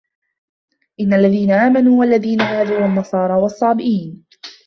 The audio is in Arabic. إِنَّ الَّذِينَ آمَنُوا وَالَّذِينَ هَادُوا وَالنَّصَارَىٰ وَالصَّابِئِينَ